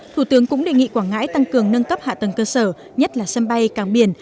thủ tướng cũng đề nghị quảng ngãi tăng cường nâng cấp hạ tầng cơ sở nhất là sân bay càng biển